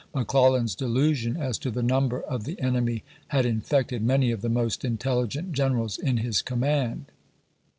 McClellan's delusion as to the number of the enemy ^ had infected many of the most intelligent generals in his command.